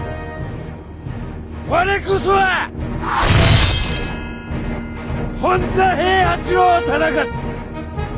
我こそは本多平八郎忠勝！